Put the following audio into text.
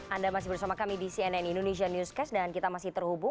anda masih bersama kami di cnn indonesia newscast dan kita masih terhubung